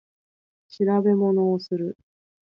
調べ物をする